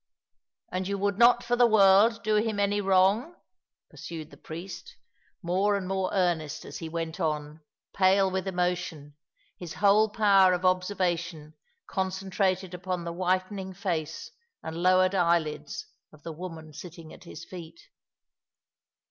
" And you would not for the world do him any wrong ?" pursued the priest, more and more earnest as he went on, pale with emotion, his whole power of observation concen trated upon the whitening face and lowered eyelids of the woman sitting at his feet.